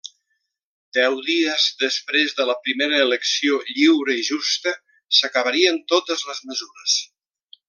Deu dies després de la primera elecció lliure i justa, s'acabarien totes les mesures.